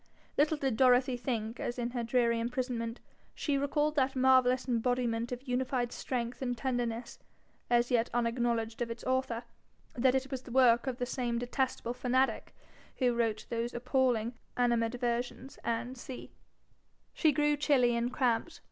Little did Dorothy think, as in her dreary imprisonment she recalled that marvellous embodiment of unified strength and tenderness, as yet unacknowledged of its author, that it was the work of the same detestable fanatic who wrote those appalling 'Animadversions, &c.' She grew chilly and cramped.